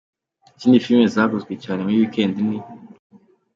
Izindi filime zaguzwe cyane muri weekend ni:.